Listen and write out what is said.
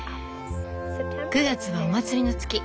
「９月はお祭りの月。